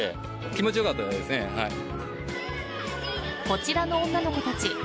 こちらの女の子たち。